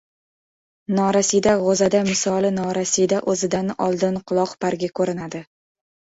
Norasida g‘o‘za-da misoli norasida — o‘zidan oldin quloq-bargi ko‘rinadi.